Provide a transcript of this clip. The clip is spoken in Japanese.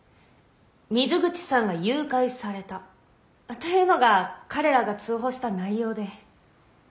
「水口さんが誘拐された」というのが彼らが通報した内容で。